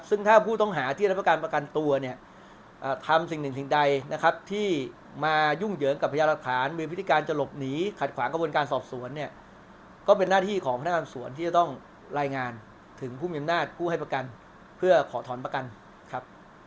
ซึ่งถ้าผู้ต้องหาที่รับประการประกันตัวเนี่ยทำสิ่งหนึ่งสิ่งใดนะครับที่มายุ่งเหยิงกับพยาหลักฐานมีพฤติการจะหลบหนีขัดขวางกระบวนการสอบสวนเนี่ยก็เป็นหน้าที่ของพนักงานสวนที่จะต้องรายงานถึงผู้มีอำนาจผู้ให้ประกันเพื่อขอถอนประกันครับ